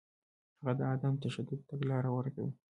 هغه د عدم تشدد تګلاره غوره کړه.